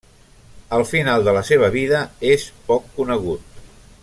El final de la seva vida és poc conegut.